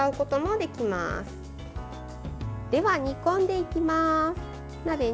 では煮込んでいきます。